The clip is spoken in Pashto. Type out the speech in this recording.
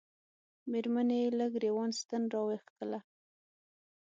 مېرمنې یې له ګرېوان ستن را وکښله.